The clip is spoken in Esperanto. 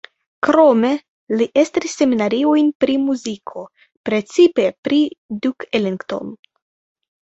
Krome li estris seminariojn pri muziko, precipe pri Duke Ellington.